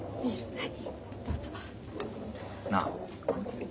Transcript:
はい。